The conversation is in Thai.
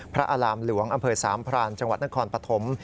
อารามหลวงอำเภอสามพรานจังหวัดนครปฐม